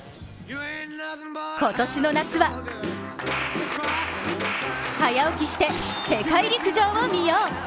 今年の夏は早起きして世界陸上を見よう。